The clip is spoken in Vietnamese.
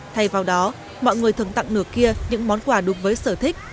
thay vào đó mọi người thường tặng nửa kia những món quà đúng với sở thích